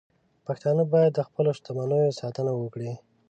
پښتانه باید د خپلو شتمنیو ساتنه وکړي.